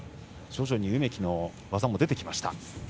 徐々に梅木の技も出てきました。